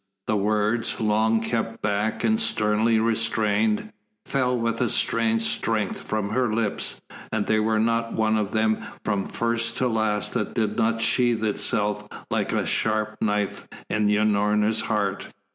The words, long kept back and sternly restrained, fell with a strange strength from her lips, and there was not one of them from first to last that did not sheathe itself like a sharp knife in Unorna's heart.